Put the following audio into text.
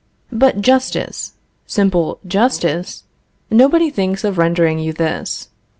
But justice, simple justice nobody thinks of rendering you this.